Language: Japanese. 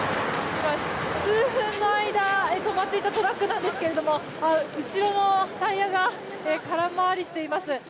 数分の間、止まっていたトラックなんですけれども後ろのタイヤが空回りしています。